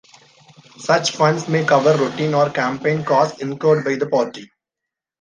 Such funds may cover routine or campaign costs incurred by the party.